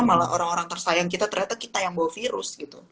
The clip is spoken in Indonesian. malah orang orang tersayang kita ternyata kita yang bawa virus gitu